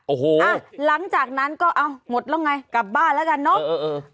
โอ้โหอ่ะหลังจากนั้นก็เอาหมดแล้วไงกลับบ้านแล้วกันเนอะ